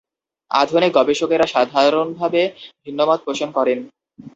আধুনিক গবেষকেরা সাধারণভাবে ভিন্নমত পোষণ করেন।